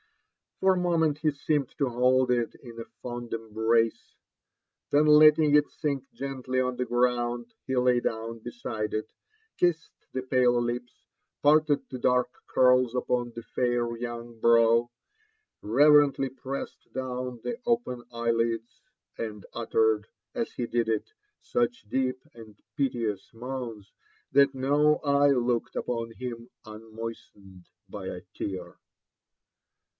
For a moment he seemed to hold it in a fond embrace ; then letting it sink gently on the ground, he lay down beside it, kissed the pale lips, parted the dark curls upon the fair young brow, reverently pressed down the open eyelids, and uttered, as he did it, such deep and piteous moans, that no eye looked upon him unmoistened by a tear.